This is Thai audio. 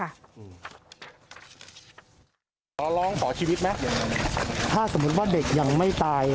ขอร้องขอชีวิตไหมถ้าสมมุติว่าเด็กยังไม่ตาย